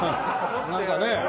なんかね。